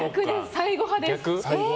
最後派です。